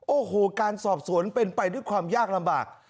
โอ้โหการสอบสวนเป็นไปด้วยความยากลำบาก